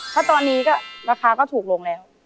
ถ้าตอนนี้ก็ราคาก็ถูกลงแล้ว